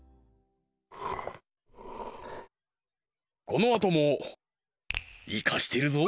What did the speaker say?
このあともイカしてるぞ！